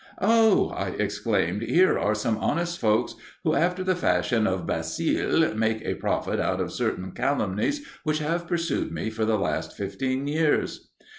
'Oh!' I exclaimed, 'here are some honest folks who, after the fashion of Basile, make a profit out of certain calumnies which have pursued me for the last fifteen years.